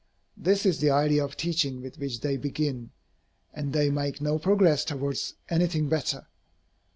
This is the idea of teaching with which they begin, and they make no progress towards anything better.